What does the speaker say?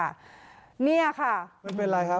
มันเป็นไรครับ